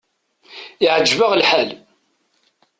Iɛǧeb-aɣ lḥal.